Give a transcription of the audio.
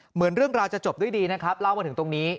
เหมือนเรื่องราวจะจบด้วยดีนะครับเล่ามาถึงตรงนี้